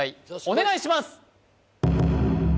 お願いします！